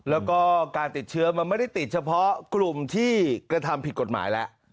แล้วก็การติดเชื้อมันไม่ได้ติดเฉพาะกลุ่มที่กระทำผิดกฎหมายแล้ว